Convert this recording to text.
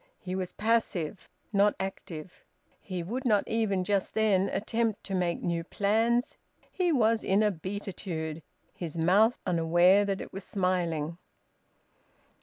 He was passive, not active. He would not even, just then, attempt to make new plans. He was in a beatitude, his mouth unaware that it was smiling.